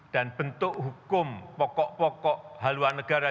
bentuk hukum pokok pokok haluan negara